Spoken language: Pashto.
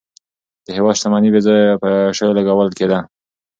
د هېواد شتمني په بېځایه عیاشیو لګول کېده.